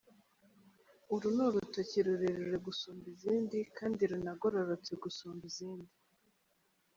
Uru ni urutoki rurerure gusumba izindi kandi runagororotse gusumba izindi.